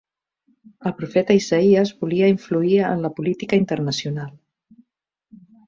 El profeta Isaïes volia influir en la política internacional.